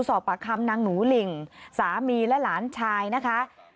สอบปากคำนางหนูหลิ่งสามีและหลานชายนะคะ